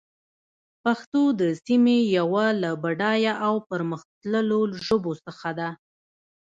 پښتو د سيمې يوه له بډايه او پرمختللو ژبو څخه ده.